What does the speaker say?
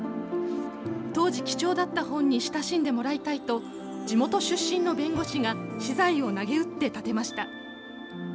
当時貴重だった本に親しんでもらいたいと、地元出身の弁護士が私財をなげうって建てました。